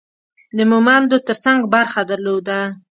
د مومندو ترڅنګ برخه درلوده.